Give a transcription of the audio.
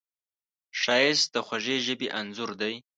ښایست د خوږې ژبې انځور دی